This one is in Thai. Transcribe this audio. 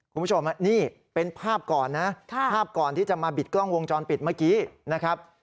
คุณผู้ชมนี่เป็นภาพก่อนนะภาพก่อนที่จะมาบิดกล้องวงจรปิดเมื่อกี้นะครับ